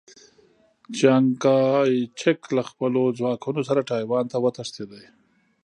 چیانکایچک له خپلو ځواکونو سره ټایوان ته وتښتېد.